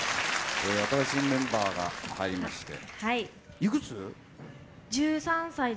新しいメンバーが入りまして。